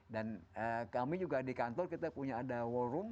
dan kami juga di kantor kita punya ada war room